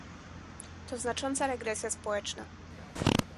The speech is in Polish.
To znacząca regresja społeczna